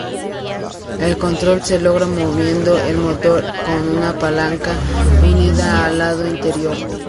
El control se logra moviendo el motor con una palanca unida al lado interior.